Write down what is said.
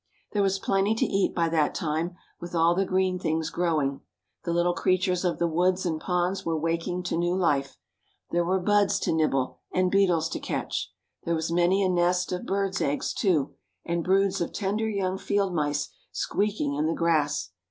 There was plenty to eat by that time, with all the green things growing. The little creatures of the woods and ponds were waking to new life. There were buds to nibble and beetles to catch. There was many a nest of birds' eggs, too, and broods of tender young field mice squeaking in the grass.